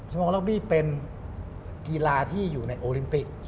สมาคมกีฬาเป็นกีฬาที่อยู่ในโอลิมปิก